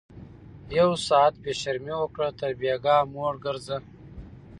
ـ يو ساعت بې شرمي وکړه تر بيګاه موړ ګرځه